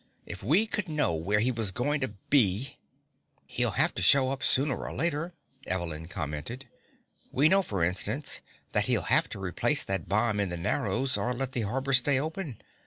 If we could know where he was going to be " "He'll have to show up sooner or later," Evelyn commented. "We know, for instance, that he'll have to replace that bomb in the Narrows or let the harbor stay open.